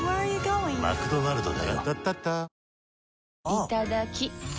いただきっ！